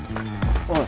おい。